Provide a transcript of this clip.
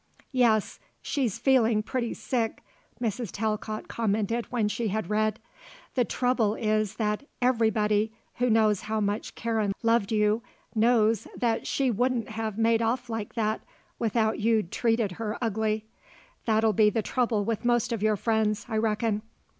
"Yes; she's feeling pretty sick," Mrs. Talcott commented when she had read. "The trouble is that anybody who knows how much Karen loved you knows that she wouldn't have made off like that without you'd treated her ugly. That'll be the trouble with most of your friends, I reckon.